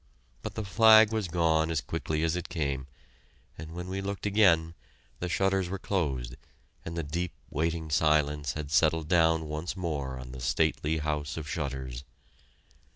But the flag was gone as quickly as it came, and when we looked again, the shutters were closed and the deep, waiting silence had settled down once more on the stately house of shutters.